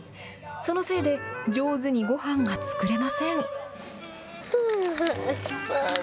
そのせいで、上手にごはんが作れません。